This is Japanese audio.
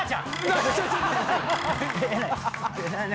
何？